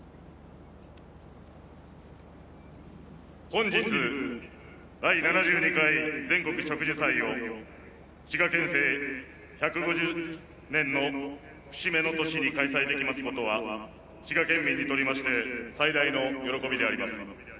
本日第７２回全国植樹祭を滋賀県政１５０年の節目の年に開催できますことは滋賀県民にとりまして最大の喜びであります。